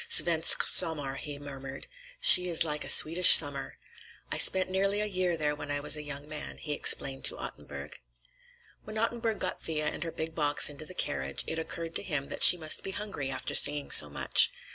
"Svensk sommar," he murmured. "She is like a Swedish summer. I spent nearly a year there when I was a young man," he explained to Ottenburg. When Ottenburg got Thea and her big box into the carriage, it occurred to him that she must be hungry, after singing so much.